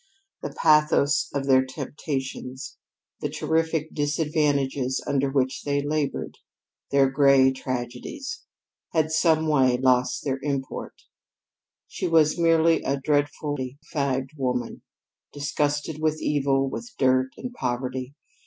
The pathos of their temptations, the terrific disadvantages under which they labored, their gray tragedies, had some way lost their import. She was merely a dreadfully fagged woman, disgusted with evil, with dirt and poverty.